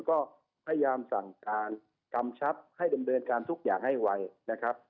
ก็พยายามสั่งการกำชับให้ดำเนินการทุกอย่างให้ไวนะครับ